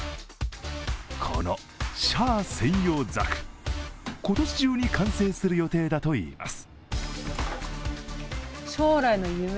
このシャア専用ザク、今年中に完成する予定だといいます。